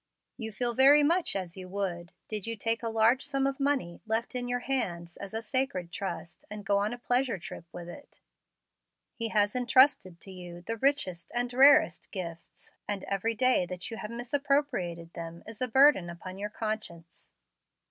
You feel very much as you would, did you take a large sum of money, left in your hands as a sacred trust, and go on a pleasure trip with it. He has intrusted to you the richest and rarest gifts, and every day that you have misappropriated them is a burden upon your conscience.